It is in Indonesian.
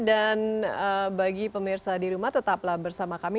dan bagi pemirsa di rumah tetaplah bersama kami